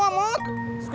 ya campeh modo sembun